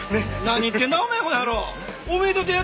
何言ってんだ？